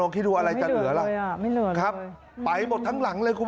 น้องคิดดูอะไรจะเหลือครับไบหมดทั้งหลังเลย